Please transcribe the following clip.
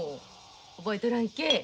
覚えとらんけえ？